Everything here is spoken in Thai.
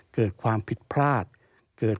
เกิดความผิดพลาด